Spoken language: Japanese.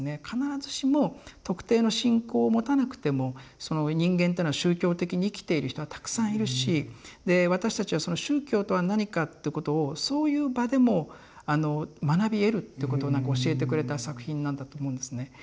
必ずしも特定の信仰を持たなくても人間っていうのは宗教的に生きている人はたくさんいるしで私たちは宗教とは何かってことをそういう場でも学び得るってことをなんか教えてくれた作品なんだと思うんですね。